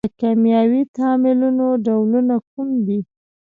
د کیمیاوي تعاملونو ډولونه کوم دي؟